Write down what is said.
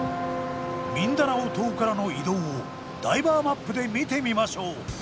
ミンダナオ島からの移動をダイバーマップで見てみましょう。